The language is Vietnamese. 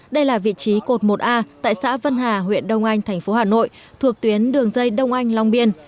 đây là vị trí cột một a tại xã vân hà huyện đông anh thành phố hà nội thuộc tuyến đường dây đông anh long biên